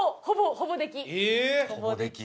ほぼでき。